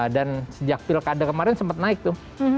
dan sejak pilkada kemarin sempat naik tuh